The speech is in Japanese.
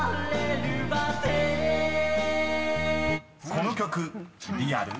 ［この曲リアル？